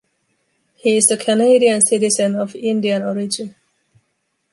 He is a Canadian citizen of Indian origin.